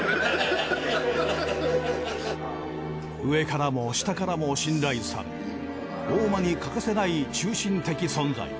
上からも下からも信頼され大間に欠かせない中心的存在。